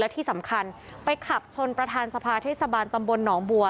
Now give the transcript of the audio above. ที่สำคัญไปขับชนประธานสภาเทศบาลตำบลหนองบัว